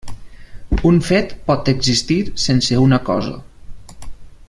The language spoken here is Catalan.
Un fet pot existir sense una cosa.